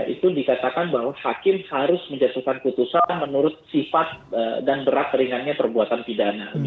itu dikatakan bahwa hakim harus menjatuhkan putusan menurut sifat dan berat ringannya perbuatan pidana